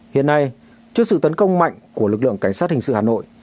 hiện nay trước sự tấn công mạnh của lực lượng cảnh sát hình sự hà nội